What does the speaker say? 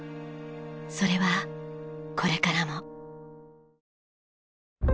それはこれからも。